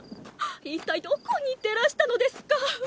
一体どこに行ってらしたのですか！